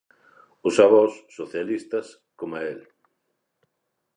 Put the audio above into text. Os avós, socialistas, coma el.